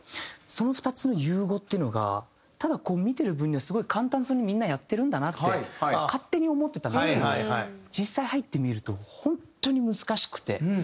その２つの融合っていうのがただこう見てる分にはすごい簡単そうにみんなやってるんだなって勝手に思ってたんですけど実際入ってみると本当に難しくて。